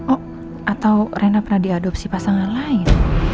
oh atau rena pernah diadopsi pasangan lain